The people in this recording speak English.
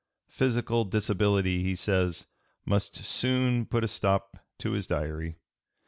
Physical disability, he says, must soon put a stop to his Diary.